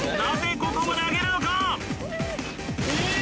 ここまで上げるのか！